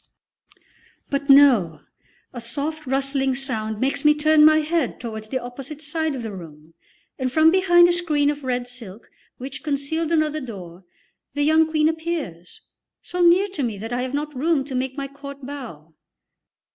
But no! A soft, rustling sound makes me turn my head towards the opposite side of the room, and from behind a screen of red silk which concealed another door the young Queen appears, so near to me that I have not room to make my court bow.